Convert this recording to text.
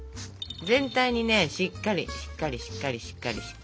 全体にねしっかりしっかりしっかり。